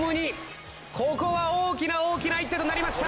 ここは大きな大きな一手となりました！